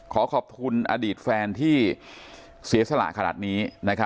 ขอขอบคุณอดีตแฟนที่เศรษฐ์หลากขนาดนี้